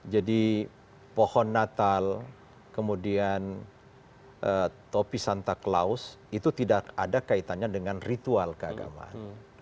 jadi pohon natal kemudian topi santa claus itu tidak ada kaitannya dengan ritual keagamaan